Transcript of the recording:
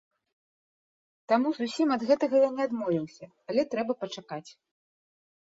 Таму зусім ад гэтага я не адмовіўся, але трэба пачакаць.